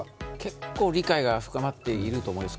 結構、理解が深まっていると思います。